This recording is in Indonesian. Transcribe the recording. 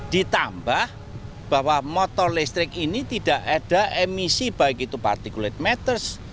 ditambah bahwa motor listrik ini tidak ada emisi baik itu particulate matters